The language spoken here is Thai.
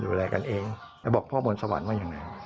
ดูแลกันเองแล้วบอกพ่อบนสวรรค์ว่ายังไง